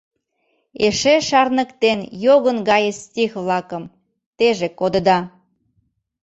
Эше шарныктен йогын гае стих-влакым “Теже кодыда…”